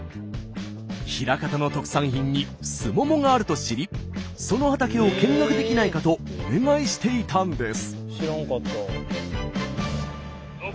枚方の特産品にすももがあると知りその畑を見学できないかとお願いしていたんです。